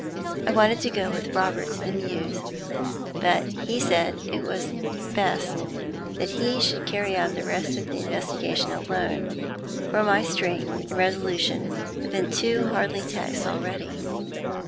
I wanted to go with Robert to the Mews, but he said it was best that he should carry out the rest of the investigation alone, for my strength and resolution had been too hardly taxed already.